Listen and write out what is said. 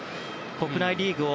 国内リーグの